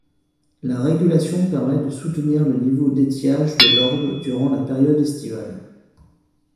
La régulation permet de soutenir le niveau d’étiage de l'Orb durant la période estivale.